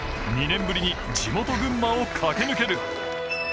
２年ぶりに地元・群馬を駆け抜ける。